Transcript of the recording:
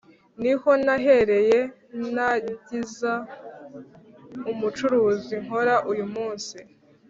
Niho nahereye ntangiza ubucuruzi nkora uyu munsi